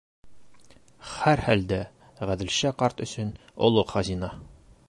Һәр хәлдә Ғәҙелша ҡарт өсөн оло хазина.